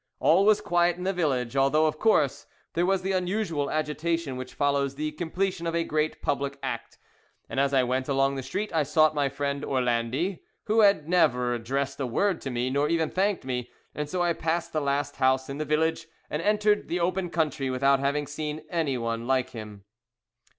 All was quiet in the village, although, of course, there was the usual agitation which follows the completion of a great public act; and as I went along the street I sought my friend Orlandi, who had never addressed a word to me, nor even thanked me; and so I passed the last house in the village, and entered the open country without having seen any one like him.